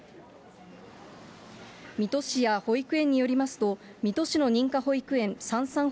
水戸市や保育園によりますと、水戸市の認可保育園、さんさん